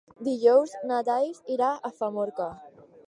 Dijous na Thaís irà a Famorca.